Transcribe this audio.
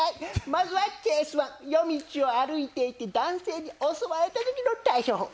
まずは、夜道を歩いていて男性に襲われたときの対処法。